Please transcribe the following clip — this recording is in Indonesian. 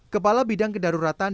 kepala bidang kedaruratan